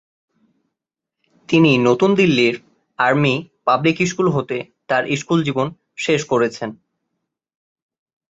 তিনি নতুন দিল্লির আর্মি পাবলিক স্কুল হতে তাঁর স্কুল জীবন শেষ করেছেন।